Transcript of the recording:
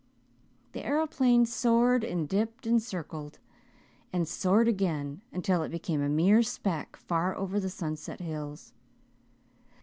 The aeroplane soared and dipped and circled, and soared again, until it became a mere speck far over the sunset hills.